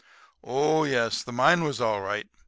Oh, yes, the mine was all right.